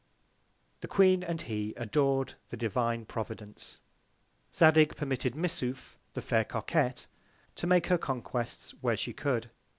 The Queen and He ador'd the Divine Providence. Zadig permitted Missouf, the Fair Coquet, to make her Conquests where she could.